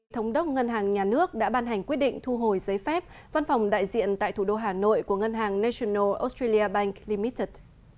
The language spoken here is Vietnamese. thống đốc ngân hàng nhà nước đã ban hành quyết định thu hồi giấy phép văn phòng đại diện tại thủ đô hà nội của ngân hàng national australia bank limited